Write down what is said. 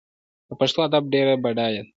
د پښتو ادب ډېر بډایه دی.